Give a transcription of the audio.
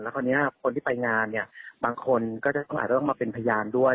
คราวนี้คนที่ไปงานเนี่ยบางคนก็อาจจะต้องมาเป็นพยานด้วย